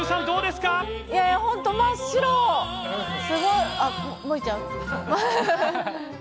すごい！